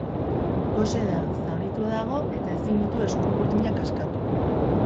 Gose da, zaurituta dago, eta ezin ditu eskuburdinak askatu.